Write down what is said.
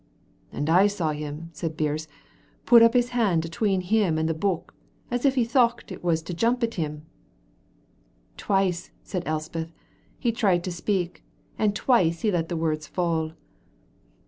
"And I saw him," said Birse, "put up his hand atween him and the Book, as if he thocht it was to jump at him." "Twice," said Elspeth, "he tried to speak, and twice he let the words fall."